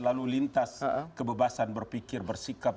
lalu lintas kebebasan berpikir bersikap